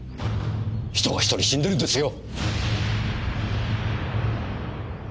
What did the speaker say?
人が１人死んでるんですよ！